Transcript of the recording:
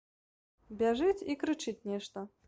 Бяжыць і крычыць нешта.